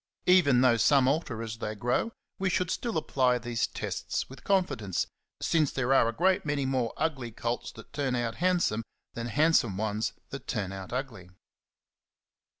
Even though some alter as they grow, we should still apply these tests with confidence, since there are a great many more ugly colts that turn out handsome than handsome ones that turn out ugly.